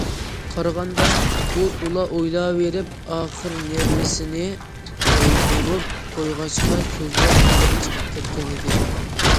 قارىغاندا، ئۇ تولا ئويلاۋېرىپ، ئاخىر نېرۋىسىنى ئالدۇرۇپ قويغاچقا، سۆزلەپ ھويلىغا چىقىپ كەتكەنىدى.